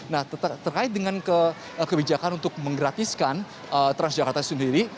nah terkait dengan kebijakan untuk menggratiskan transjakarta sendiri